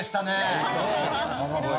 面白い。